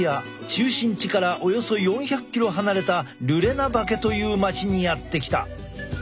中心地からおよそ４００ｋｍ離れたルレナバケという町にやって来た。